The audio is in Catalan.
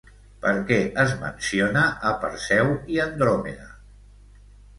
Per què es menciona a Perseu i Andròmeda?